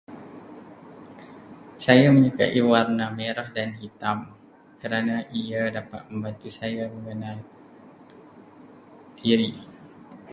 Saya menyukai warna merah dan hitam kerana ia dapat membantu saya mengenal diri.